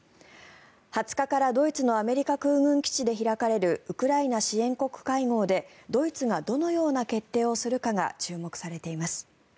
２０日から、ドイツのアメリカ空軍基地で開かれるウクライナ支援国会合でドイツがどのような決定をするかが注目されています。